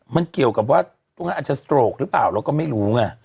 มันเกี่ยวกับว่าตรงนั้นอาจจะสโตรกหรือเปล่าเราก็ไม่รู้ไง